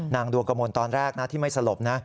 นางดวงกะมนต์ตอนแรกที่ไม่สลบ